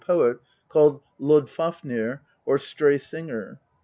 poet called Loddfafnir or Stray Singer.